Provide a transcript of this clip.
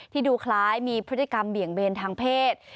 ดูคล้ายมีพฤติกรรมเบี่ยงเบนทางเพศ